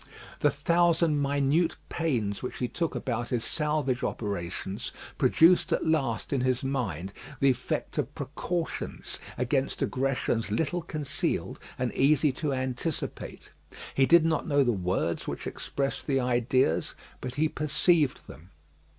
The thousand minute pains which he took about his salvage operations produced at last in his mind the effect of precautions against aggressions little concealed, and easy to anticipate. He did not know the words which express the ideas, but he perceived them.